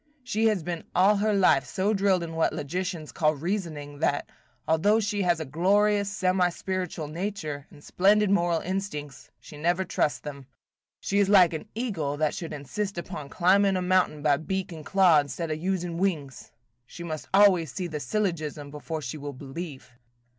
She has been all her life so drilled in what logicians call reasoning, that, although she has a glorious semi spiritual nature, and splendid moral instincts, she never trusts them. She is like an eagle that should insist upon climbing a mountain by beak and claw instead of using wings. She must always see the syllogism before she will believe."